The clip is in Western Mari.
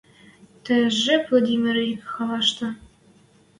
Тӹ жеп Владимир ик халашты